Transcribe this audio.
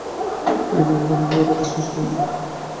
একদিনের তামাকে কথাটা শেষ হইল না।